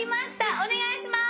お願いします。